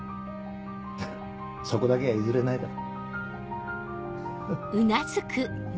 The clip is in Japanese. そこだけは譲れないだろ。